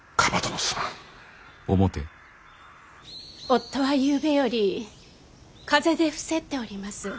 夫はゆうべより風邪で伏せっております。